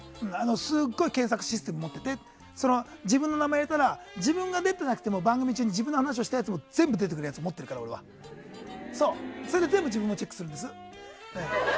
すごい検索システムを持っていて自分の名前を入れたら自分が出ていなくても自分の話をしたやつ全部出てくるやつ持ってるからそれで全部チェックしてるんです。